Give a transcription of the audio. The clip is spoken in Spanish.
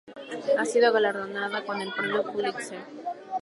Ha sido galardonada con el Premio Pulitzer.